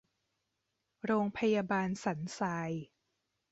โรงพยาบาลสันทราย